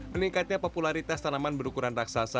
meningkatnya popularitas tanaman berukuran raksasa